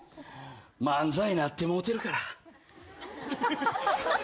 漫才なってもうてるから。